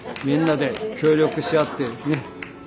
みんなで協力し合ってですね